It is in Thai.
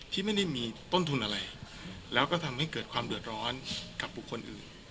ที่ไม่ได้มีต้นทุนอะไรแล้วก็ทำให้เกิดความเดือดร้อนกับบุคคลอื่น